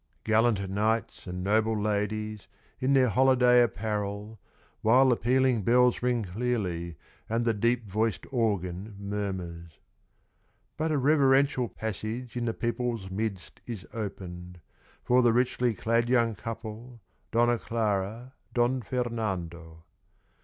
Gallant knights and noble ladies, In their holiday apparel; While the pealing bells ring clearly, And the deep voiced organ murmurs. But a reverential passage In the people's midst is opened, For the richly clad young couple, Donna Clara, Don Fernando.